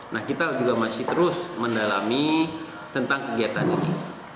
nah kita juga masih terus mendalami tentang kegiatan ini